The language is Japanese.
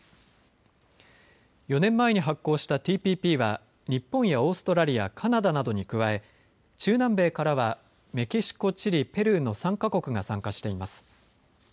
４年前に発効したＴＰＰは日本やオーストラリア、カナダなどに加え中南米からはメキシコ、チリ、ペルーの３か国が参加しています。